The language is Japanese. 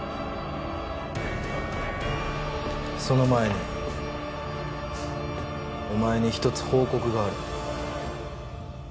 その前にお前に一つ報告がある。